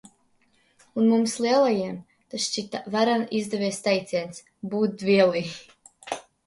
Un mums, lielajiem, tas šķita varen izdevies teiciens – "būt dvielī".